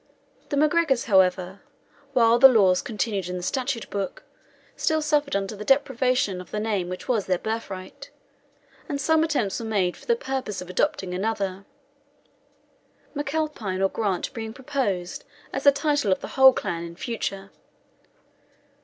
The MacGregors, however, while the laws continued in the statute book, still suffered under the deprivation of the name which was their birthright, and some attempts were made for the purpose of adopting another, MacAlpine or Grant being proposed as the title of the whole clan in future.